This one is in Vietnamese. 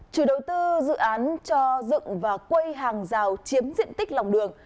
chủ đầu tư dự án cho dựng và quây hàng rào chiếm diện tích lòng đường